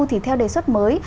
thì theo đề xuất mới